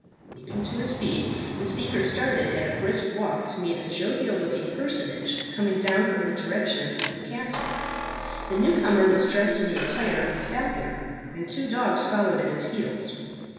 Leaping to his feet, the speaker started at a brisk walk to meet a jovial looking personage coming down from the direction of the castle. The new comer was dressed in the attire of a falconer, and two dogs followed at his heels.